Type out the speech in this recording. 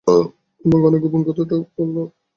আমাকে অনেক গোপন কথাটথা বলত।